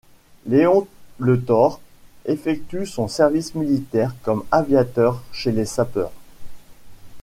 Léon Letort effectue son service militaire comme aviateur chez les sapeurs.